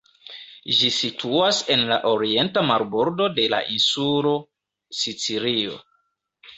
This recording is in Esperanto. Ĝi situas en la orienta marbordo de la insulo Sicilio.